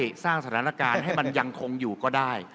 สร้างสถานการณ์ให้มันยังคงอยู่ก็ได้